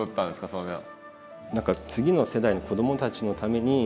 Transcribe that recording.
それは。